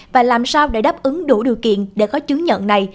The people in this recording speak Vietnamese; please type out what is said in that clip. và làm sao để đáp ứng đủ điều kiện để có chứng nhận này